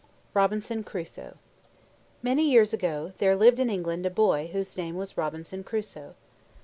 ROBINSON CRUSOE Many years ago, there lived in England a boy whose name was Robinson Crusoe.